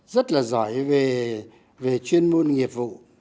rất là giỏi về chuyên môn nghiệp vụ